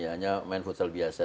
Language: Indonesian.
hanya main futsal biasa